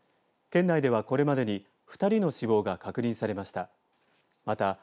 県内では、これまでに２人の死亡が確認されました。